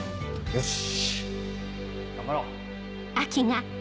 よし！